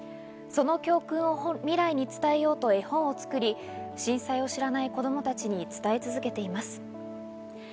その教訓を未来に伝えようと絵本を作り、震災を知らない子供たちに伝え続けています。